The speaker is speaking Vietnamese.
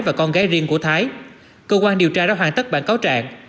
và con gái riêng của thái cơ quan điều tra đã hoàn tất bản cáo trạng